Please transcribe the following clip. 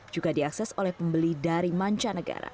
juga diakses oleh pembeli dari mancanegara